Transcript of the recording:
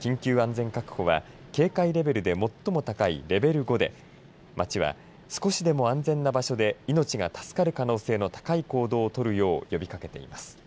緊急安全確保は警戒レベルで最も高いレベル５で町は少しでも安全な場所で命が助かる可能性の高い行動を取るよう呼びかけています。